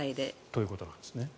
ということなんですね。